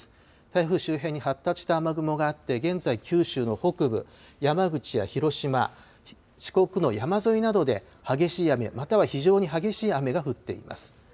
台風周辺に発達した雨雲があって、現在、九州の北部山口や広島、四国の山沿いなどで激しい雨、または非常に激しい雨が降っています。